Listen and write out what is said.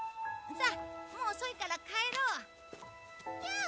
さあもう遅いから帰ろう。